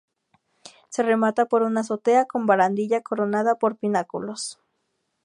Se remata por una azotea con barandilla coronada por pináculos.